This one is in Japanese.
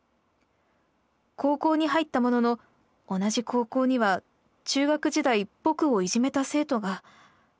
高校に入ったものの同じ高校には中学時代僕をいじめた生徒が。